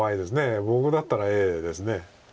僕だったらＡです。